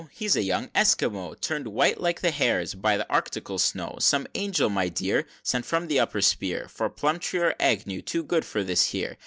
"He's a young Esquimaux, Turn'd white like the hares by the Arctical snow." "Some angel, my dear, Sent from some upper spear For Plumtree or Agnew, too good for this here!"